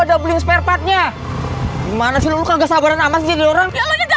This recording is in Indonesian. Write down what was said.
udah beli spare partnya gimana sih lu kagak sabaran amat jadi orang